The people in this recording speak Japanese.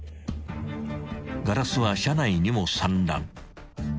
［ガラスは車内にも散乱］